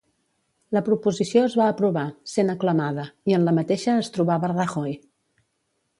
La proposició es va aprovar, sent aclamada, i en la mateixa es trobava Rajoy.